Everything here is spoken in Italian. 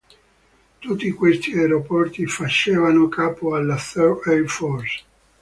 Tutti questi aeroporti facevano capo alla Third Air Force.